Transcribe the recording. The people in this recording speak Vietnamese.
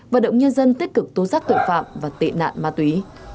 và động nhân dân tích cực tố giác tội phạm và tên nạn ma túy